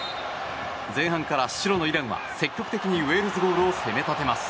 前半から白のイランは積極的にウェールズゴールを攻め立てます。